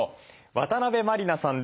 渡辺満里奈さんです。